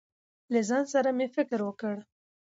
له ځان سره مې فکر وکړ.